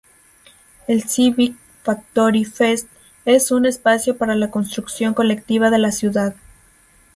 El Civic Factory Fest es un espacio para la construcción colectiva de la ciudad.